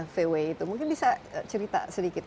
vw itu mungkin bisa cerita sedikit